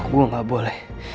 gue gak boleh